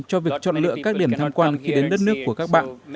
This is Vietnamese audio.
cho việc chọn lựa các điểm tham quan khi đến đất nước của các bạn